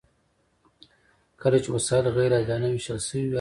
کله چې وسایل غیر عادلانه ویشل شوي وي هرڅه بدلیږي.